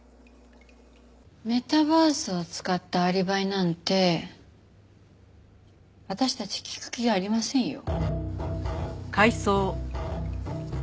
メタバースを使ったアリバイなんて私たち聞く気ありませんよ。